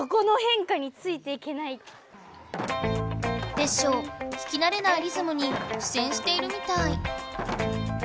テッショウ聞きなれないリズムにくせんしているみたい。